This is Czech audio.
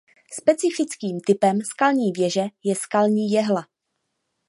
Specifickým typem skalní věže je skalní jehla.